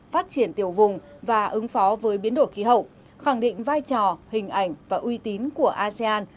phát triển tiểu vùng và ứng phó với biến đổi khí hậu khẳng định vai trò hình ảnh và uy tín của asean